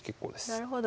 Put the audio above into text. なるほど。